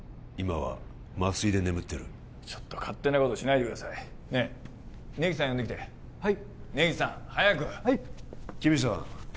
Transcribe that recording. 今は麻酔で眠ってるちょっと勝手なことしないでくださいねえ根岸さん呼んできてはい根岸さん早くはい木見さん